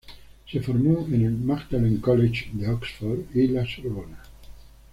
Se formó en el Magdalen College de Oxford y La Sorbona.